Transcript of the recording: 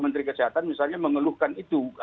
menteri kesehatan misalnya mengeluhkan itu